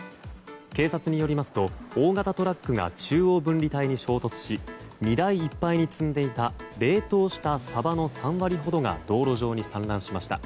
警察によりますと大型トラックが中央分離帯に衝突し荷台いっぱいに積んでいた冷凍したサバの３割ほどが道路上に散乱しました。